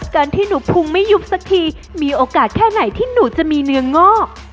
การที่หนูปรุงไม่ยุบสักทีมีโอกาสแค่ไหนที่หนูจะมีเนื้องอก